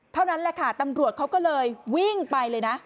เท่านั้นแหละค่ะตำรวจเขาก็เลยวิ่งไปเลยนะ